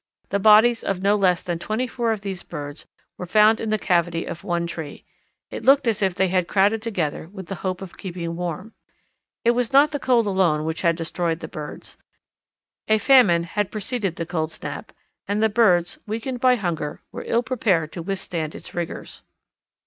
The bodies of no less than twenty four of these birds were found in the cavity of one tree. It looked as if they had crowded together with the hope of keeping warm. It was not the cold alone which had destroyed the birds: a famine had preceded the cold snap, and the birds, weakened by hunger, were ill prepared to withstand its rigours.